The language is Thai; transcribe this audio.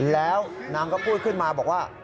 แล้วนางก็พูดขึ้นมาบอกว่า